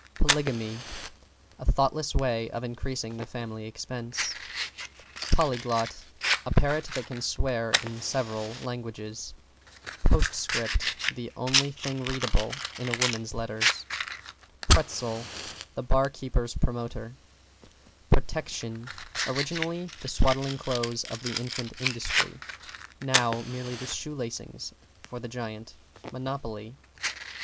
=POLYGAMY= A thoughtless way of increasing the family expenses. =POLYGLOT= A parrot that can swear in several languages. =POSTSCRIPT= The only thing readable in a woman's letter. =PRETZEL= The bar keeper's promoter. =PROTECTION= Originally, the swaddling clothes of the infant, Industry; now, merely the shoe lacings for the giant, Monopoly.